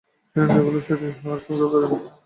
শরীর ও ইন্দ্রিয়গুলির সহিত ইহা আর সংযুক্ত থাকে না।